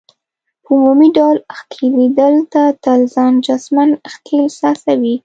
په عمومي ډول ښکیلېدل، ته تل ځان جسماً ښکېل احساسوې.